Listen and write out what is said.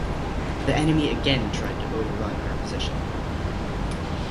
The enemy again tried to overrun our position.